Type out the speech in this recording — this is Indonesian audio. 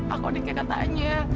aku adik kakak tanya